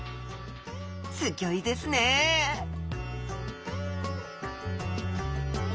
すギョいですねはい。